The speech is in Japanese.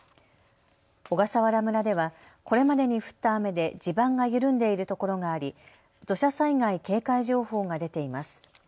小笠原村ではこれまでに降った雨で地盤が緩んでいる所があり、土砂災害警戒情報が出ています。